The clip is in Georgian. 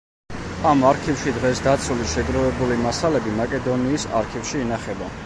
ამ არქივში დღეს დაცული, შეგროვებული მასალები მაკედონიის არქივში ინახება.